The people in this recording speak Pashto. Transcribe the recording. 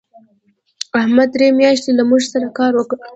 احمد درې میاشتې له موږ سره کار وکړ.